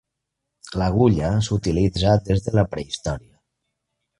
L'agulla s'utilitza des de la prehistòria.